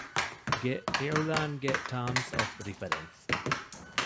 ގެ އިޢުލާންގެ ޓާމްސް އޮފް ރިފަރެންސް